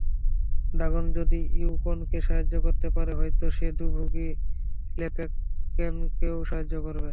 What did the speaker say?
Dragon যদি ইউনিকর্নকে সাহায্য করতে পারে, হয়তো সে দুর্ভাগী ল্যাপ্রেকনকেও সাহায্য করবে।